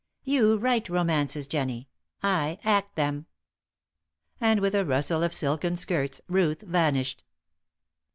You write romances, Jennie, I act them." And with a rustle of silken skirts Ruth vanished.